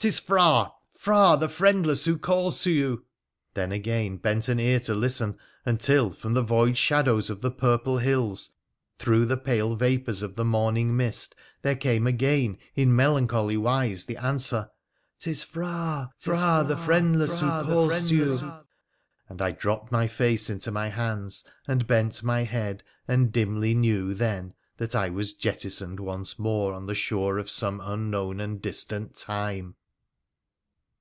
'tis Phra — Phra the friendless who calls to you !' then again bent an ear to listen, until, from the void shadows of the purple hills, through the pale vapours of the morning mist, there came again in melancholy wise the answer —' 'Tis Phra, Phra the friendless who calls to you !'— and I dropped my face into my hands and bent my head and dimly knew then that I was jettisoned once more on the shore of some unknown and distant time